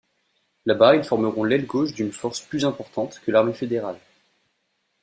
Là-bas, ils formeront l'aile gauche d'une force plus importante que l'armée fédérale.